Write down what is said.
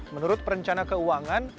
menurut perencana keuangan